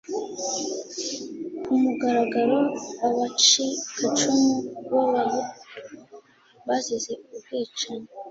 ku mugaragaro abacikacumu b'Abahutu bazize ubwicanyi